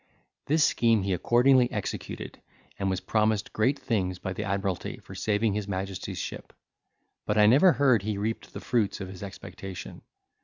This scheme he accordingly executed, and was promised great things by the Admiralty for saving his Majesty's ship: but I never heard he reaped the fruits of his expectation.